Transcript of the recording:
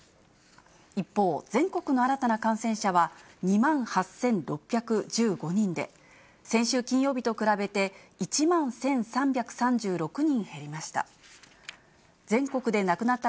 一方、全国の新たな感染者は２万８６１５人で、先週金曜日と比べて、１万１３３６人減りました。